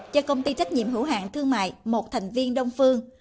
cho công ty trách nhiệm hữu hạng thương mại một thành viên đông phương